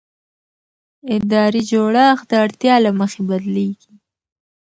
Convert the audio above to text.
اداري جوړښت د اړتیا له مخې بدلېږي.